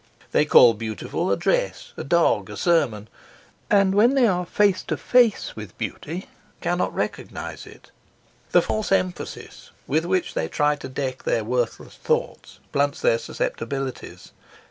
They call beautiful a dress, a dog, a sermon; and when they are face to face with Beauty cannot recognise it. The false emphasis with which they try to deck their worthless thoughts blunts their susceptibilities.